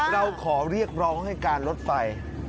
เราขอเรียกร้องให้การรถไฟ